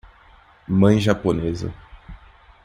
Mãe japonesa